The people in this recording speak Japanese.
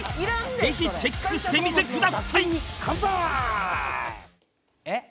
ぜひチェックしてみてくださいえっ？